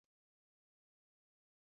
کرايه يې زما تر وس ډېره لوړه وه.